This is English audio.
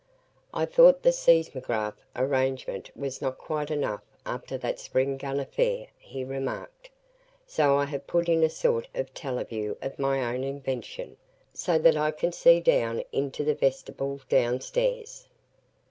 "I thought the seismograph arrangement was not quite enough after that spring gun affair," he remarked, "so I have put in a sort of teleview of my own invention so that I can see down into the vestibule downstairs.